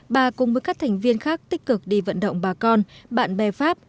bà cùng với các thành viên khác tích cực đi vận động bà con bạn bè pháp